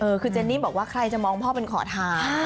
คือเจนนี่บอกว่าใครจะมองพ่อเป็นขอทาน